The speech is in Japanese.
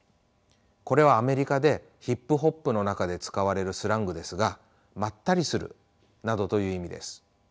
これはアメリカでヒップホップの中で使われるスラングですがまったりするなどという意味です。